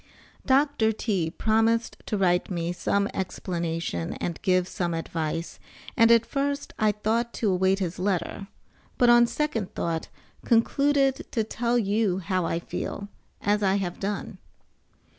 Dr. T. promised to write me some explanation and give some advice, and at first I thought to await his letter, but on second thought concluded to tell you how I feel, as I have done.